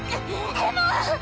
でも！